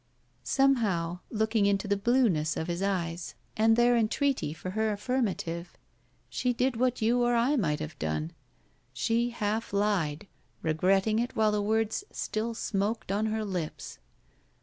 Somehow, looldng into the blueness of his eyes 8s • J BACK PAY and their entreaty for her affirmative, she did what you or I might have done. She half lied, regretting it while the words still smoked on her lips.